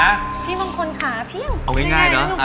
เอาง่ายนะ